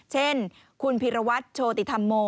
เช่นคุณพิรวัตรโชติธรรมโม